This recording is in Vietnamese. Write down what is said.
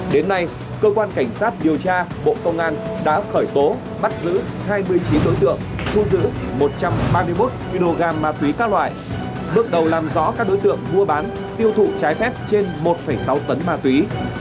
đến nay cơ quan cảnh sát điều tra bộ công an đã khởi tố bắt giữ hai mươi chín đối tượng thu giữ một trăm ba mươi một kg ma túy các loại bước đầu làm rõ các đối tượng mua bán tiêu thụ trái phép trên một sáu tấn ma túy